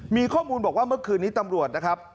มีข้อมูลบอกว่าเมื่อคืนนี้ตำรวจนะครับ